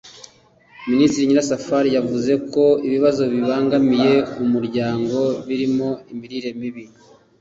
Minisitiri Nyirasafari yavuze ko ibibazo bikibangamiye umuryango birimo imirire mibi